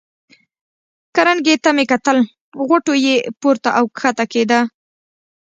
کرنکې ته مې کتل، غوټو یې پورته او کښته کېده.